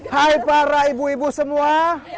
hai para ibu ibu semua